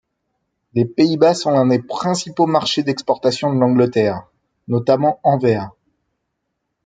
Les Pays-Bas sont l'un des principaux marchés d'exportation de l'Angleterre, notamment Anvers.